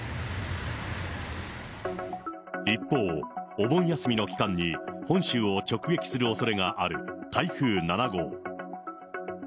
一方、お盆休みの期間に本州を直撃するおそれがある台風７号。